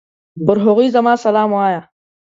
پر هغوی زما سلام وايه!